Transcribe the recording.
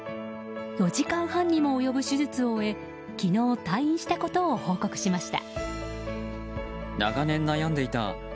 ４時間半にも及ぶ手術を終え昨日退院したことを報告しました。